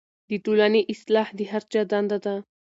د ټولنې اصلاح د هر چا دنده ده.